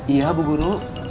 iya bu guru